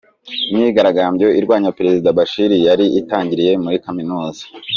Imyigaragambyo irwanya Perezida Bashir yari itangiriye muri Kaminuza